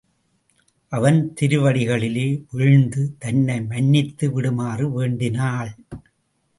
அவன் திருவடிகளிலே வீழ்ந்து தன்னை மன்னித்து விடுமாறு வேண்டினாள்.